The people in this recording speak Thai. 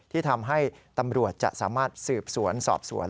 ที่ทำให้ตำรวจจะสามารถสืบสวนสอบสวน